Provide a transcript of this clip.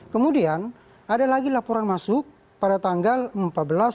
kemudian ada lagi laporan masuk pada tanggal empat belas